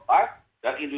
dan industrinya langsung